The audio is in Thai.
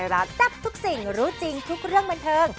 รับทุกสิ่งรู้จริงทุกเรื่องบันเทิง